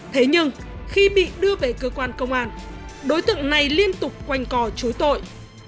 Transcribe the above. thế nhưng khi bị đưa về cơ quan công an đối tượng này liên tục quanh cò chối tội